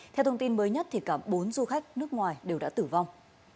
theo thông tin mới nhất cả bốn du khách nước ngoài đều đã tử vong